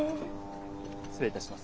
失礼いたします。